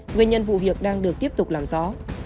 nguyên nhân vụ việc đang được tiếp tục làm rõ